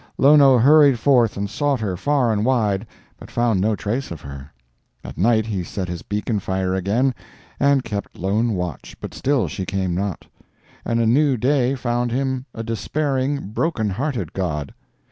Lono hurried forth and sought her far and wide, but found no trace of her. At night he set his beacon fire again and kept lone watch, but still she came not; and a new day found him a despairing, broken hearted god.